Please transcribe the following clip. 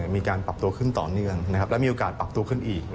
มีการปรับตัวขึ้นต่อเนื่องและมีโอกาสปรับตัวขึ้นอีก